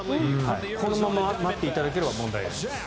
このまま待っていただければ問題ないです。